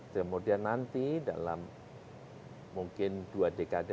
kemudian nanti dalam mungkin dua dekade